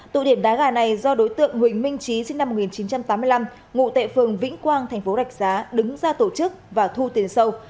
tụ điểm đá gà này do đối tượng huỳnh minh trí sinh năm một nghìn chín trăm tám mươi năm ngụ tệ phường vĩnh quang thành phố rạch giá đứng ra tổ chức và thu tiền sâu